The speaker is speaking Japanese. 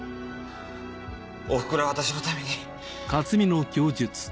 おふくろは私のために。